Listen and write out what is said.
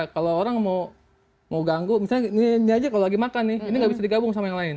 kalau orang mau ganggu misalnya ini aja kalau lagi makan nih ini nggak bisa digabung sama yang lain